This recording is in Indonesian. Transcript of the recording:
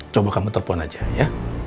coba kamu telpon aja ya